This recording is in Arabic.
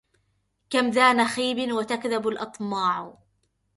كم ذا نخيب وتكذب الأطماع